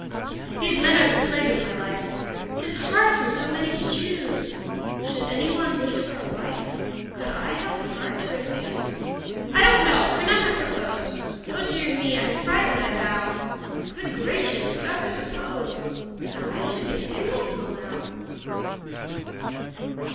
These men are the plague of my life: 'Tis hard from so many to choose! Should any one wish for a wife, Could I have the heart to refuse? I don't know for none have proposed Oh, dear me! I'm frightened, I vow! Good gracious! who ever supposed That I should be single till now?